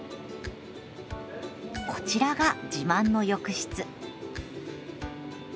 こちらが自慢の浴室。